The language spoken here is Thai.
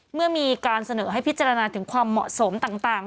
เมื่อมีการเสนอให้พิจารณาถึงความเหมาะสมต่าง